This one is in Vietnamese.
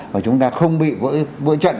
và chúng ta không bị vỡ trận